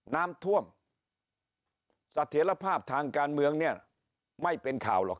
น้ำท่วมเสถียรภาพทางการเมืองเนี่ยไม่เป็นข่าวหรอก